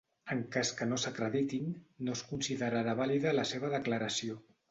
En cas que no s'acreditin no es considerarà vàlida la seva declaració.